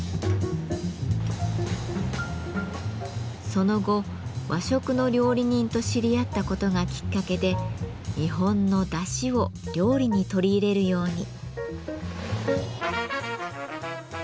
その後和食の料理人と知り合ったことがきっかけで日本のだしを料理に取り入れるように。